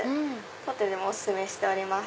当店でもお薦めしております。